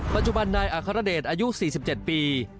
ปัจจุบันนายอัครเดชอายุ๔๗ปี